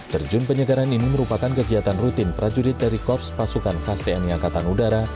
terjun penyegaran ini merupakan kegiatan rutin prajurit dari korps pasukan khas tni angkatan udara